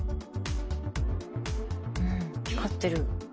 うん光ってる。